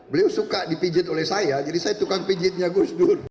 beliau suka dipijit oleh saya jadi saya tukang pijitnya gus dur